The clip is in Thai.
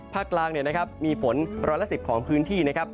ภาคล่างเนี่ยนะครับมีฝนร้อยละ๑๐ของพื้นที่นะครับ